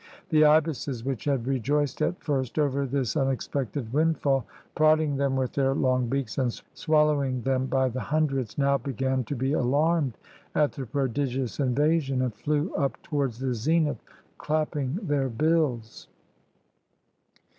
The ibises, which had rejoiced at first over this unexpected windfall, prodding them with their long beaks and swallowing them by the hundreds, now began to be alarmed at the prodigious invasion, and flew up towards the zenith, clapping their bills.